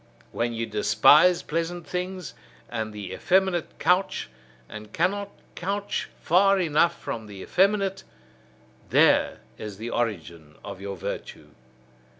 When ye despise pleasant things, and the effeminate couch, and cannot couch far enough from the effeminate: there is the origin of your virtue.